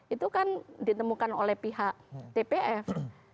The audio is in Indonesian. itu kan ditemukan oleh pihak tpf